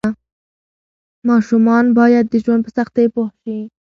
ماشومان باید د ژوند په سختۍ پوه شي.